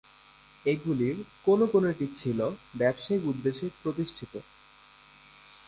এগুলির কোনো কোনোটি ছিল ব্যবসায়িক উদ্দেশ্যে প্রতিষ্ঠিত।